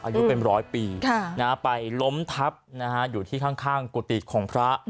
อายุเป็นร้อยปีไปล้มทับอยู่ที่ข้างกุฏิของพระ